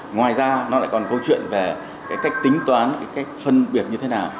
ngoài ra nó lại còn câu chuyện về cái cách tính toán cái cách phân biệt như thế nào